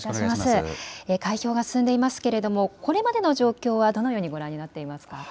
開票が進んでいますがこれまでの状況はどのようにご覧になっていますか。